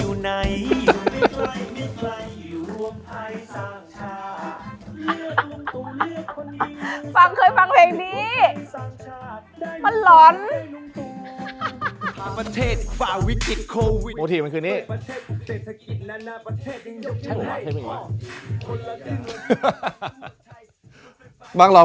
ฟังเคยฟังเพลงนี้มันหลอน